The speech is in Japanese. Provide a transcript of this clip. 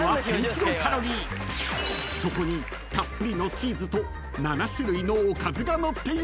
［そこにたっぷりのチーズと７種類のおかずがのっています］